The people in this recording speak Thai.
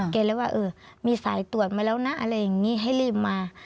เลยว่าเออมีสายตรวจมาแล้วนะอะไรอย่างนี้ให้รีบมา